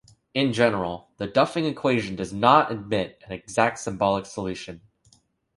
In general, the Duffing equation does not admit an exact symbolic solution.